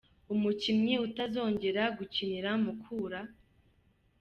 Umukinnyi utazongera gukinira Mukura